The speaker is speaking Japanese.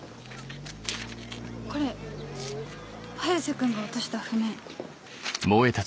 これ早瀬君が落とした譜面。